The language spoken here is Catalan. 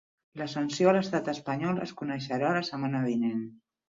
La sanció a l'estat espanyol es coneixerà la setmana vinent